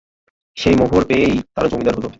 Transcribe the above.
সেই মোহর পেয়েই তারা জমিদার হলো।